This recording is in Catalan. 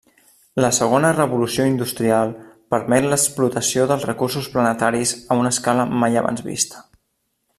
La Segona Revolució Industrial permet l'explotació dels recursos planetaris a una escala mai abans vista.